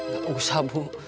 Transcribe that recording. nggak usah bu